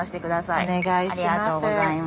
お願いします。